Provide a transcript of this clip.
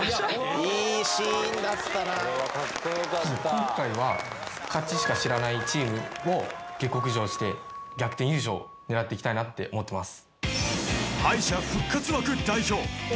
今回は勝ちしか知らないチームを下克上して逆転優勝狙っていきたいなって思ってます。